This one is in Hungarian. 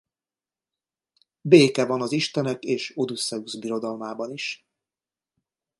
Béke van az istenek és Odüsszeusz birodalmában is.